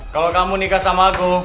kalau kamu nikah sama aku